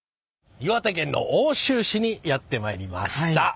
岩手県の奥州市にやってまいりました。